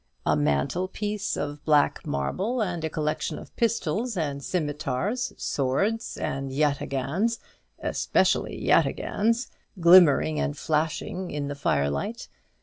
A mantel piece of black marble, and a collection of pistols and scimitars, swords and yataghans especially yataghans glimmering and flashing in the firelight.